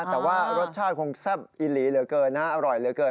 แต่ว่ารสชาติคงแซ่บอิหลีเหลือเกินนะอร่อยเหลือเกิน